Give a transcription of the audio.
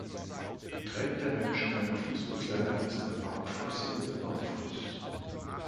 Trägt der Mensch keine Fußbekleidung, ist er barfüßig oder barfuß.